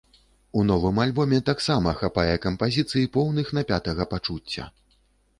У новым альбоме таксама хапае кампазіцый, поўных напятага пачуцця.